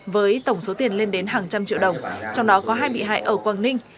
với tổng số tiền lên đến hàng trăm triệu đồng trong đó có hai bị hại ở quảng ninh